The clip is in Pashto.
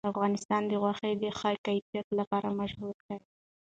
افغانستان د غوښې د ښه کیفیت لپاره مشهور دی.